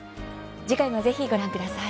次回も、ぜひご覧ください。